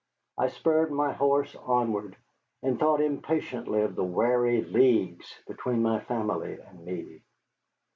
I spurred my horse onward, and thought impatiently of the weary leagues between my family and me.